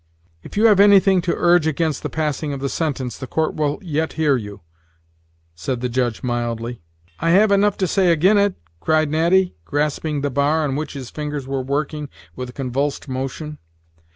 "If you have anything to urge against the passing of the sentence, the court will yet hear you," said the Judge, mildly. "I have enough to say agin' it," cried Natty, grasping the bar on which his fingers were working with a convulsed motion.